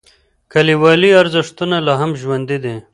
کلیوالي ارزښتونه لا هم ژوندی دي.